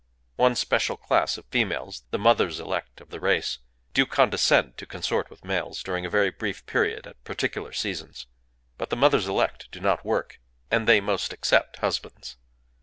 One special class of females,—the Mothers Elect of the race,—do condescend to consort with males, during a very brief period, at particular seasons. But the Mothers Elect do not work; and they must accept husbands.